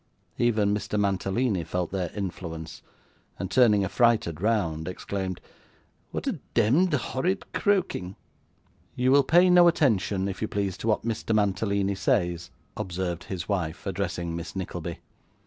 Even Mr. Mantalini felt their influence, and turning affrighted round, exclaimed: 'What a demd horrid croaking!' 'You will pay no attention, if you please, to what Mr. Mantalini says,' observed his wife, addressing Miss Nickleby.